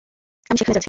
আমি সেখানে যাচ্ছি।